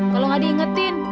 kalau gak diingetin